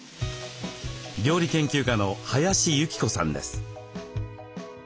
料理研究家の林幸子さんです。